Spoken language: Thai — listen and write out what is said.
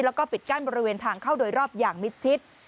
แล้วก็ปิดกั้นบริเวณทางเข้าโดยรอบอย่างมิดชิด